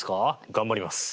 頑張ります。